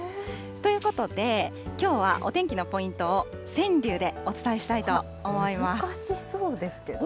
ということで、きょうはお天気のポイントを、川柳でお伝えしたい難しそうですけど。